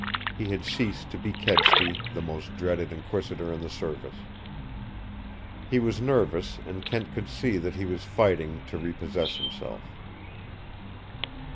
He had ceased to be Kedsty, the most dreaded inquisitor in the service. He was nervous, and Kent could see that he was fighting to repossess himself.